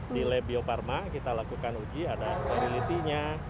di lab bio farma kita lakukan uji ada stabilitinya